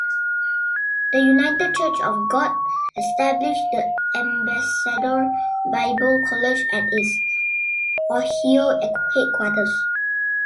The United Church of God established the Ambassador Bible College at its Ohio headquarters.